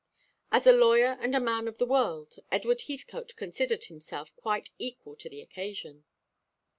As a lawyer and a man of the world, Edward Heathcote considered himself quite equal to the occasion.